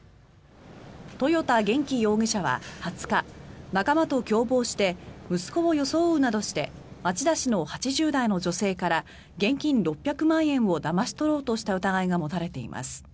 豊田元気容疑者は２０日仲間と共謀して息子を装うなどして町田市の８０代の女性から現金６００万円をだまし取ろうとした疑いが持たれています。